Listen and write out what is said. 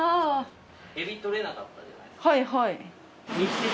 はいはい。